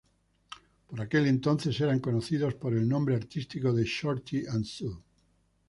Por aquel entonces eran conocidos por el nombre artístico de "Shorty and Sue".